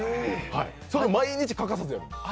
それを毎日欠かさずやるの。